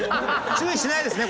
注意してないですね？